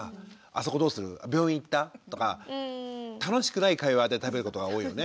病院行った？」とか楽しくない会話で食べることが多いよね。